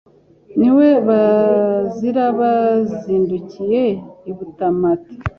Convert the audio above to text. Ni we bazira Bazindukiye i Butamati